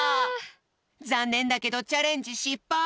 ざんねんだけどチャレンジしっぱい！